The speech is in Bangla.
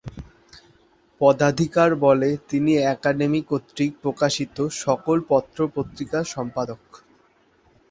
পদাধিকার বলে তিনি একাডেমি কর্তৃক প্রকাশিত সকল পত্র-পত্রিকার সম্পাদক।